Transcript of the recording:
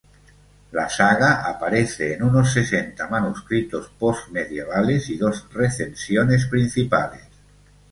La saga aparece en unos sesenta manuscritos post-medievales, y dos recensiones principales.